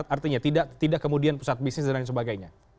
artinya tidak kemudian pusat bisnis dan lain sebagainya